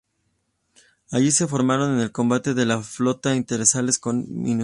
Allí se formaron en el combate de la flota interestelar con simuladores.